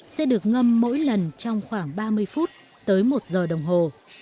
sẽ được ngâm mỗi lần trong khoảng ba mươi phút tới một giờ đồng hồ